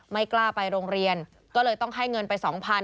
ไม่กล้าไปโรงเรียนก็เลยต้องให้เงินไป๒๐๐๐